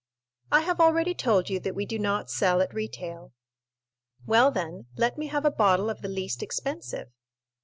"I have already told you that we do not sell at retail." "Well, then, let me have a bottle of the least expensive."